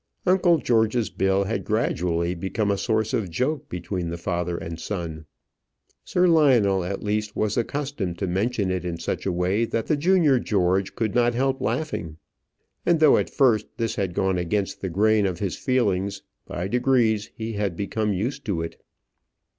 Uncle George's bill had gradually become a source of joke between the father and son. Sir Lionel, at least, was accustomed to mention it in such a way that the junior George could not help laughing; and though at first this had gone against the grain of his feelings, by degrees he had become used to it.